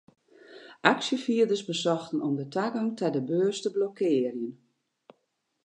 Aksjefierders besochten om de tagong ta de beurs te blokkearjen.